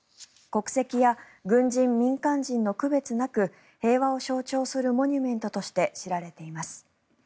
国籍や軍人、民間人の区別なく平和を象徴するモニュメントとして知られています。